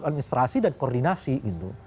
administrasi dan koordinasi gitu